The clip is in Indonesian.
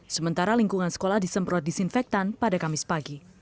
sementara lingkungan sekolah disemprot disinfektan pada kamis pagi